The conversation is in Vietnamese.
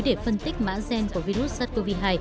để phân tích mã gen của virus sars cov hai